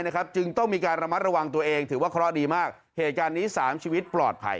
กลัวเสียขาดครับ